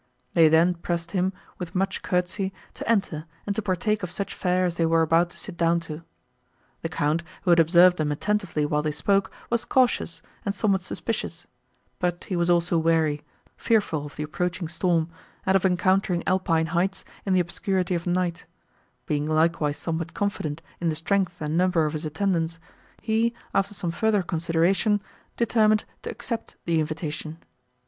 They then pressed him, with much courtesy, to enter, and to partake of such fare as they were about to sit down to. The Count, who had observed them attentively while they spoke, was cautious, and somewhat suspicious; but he was also weary, fearful of the approaching storm, and of encountering alpine heights in the obscurity of night; being likewise somewhat confident in the strength and number of his attendants, he, after some further consideration, determined to accept the invitation.